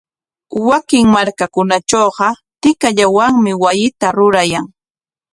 Wakin markakunatrawqa tikallawanmi wasita rurayan.